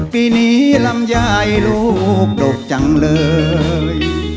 ปีนี้ลำไยลูกดกจังเลย